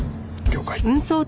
了解。